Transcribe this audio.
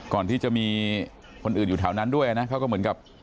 ก่อนที่จะมีคนอื่นอยู่แถวนั้นด้วยนะเขาก็เหมือนกับ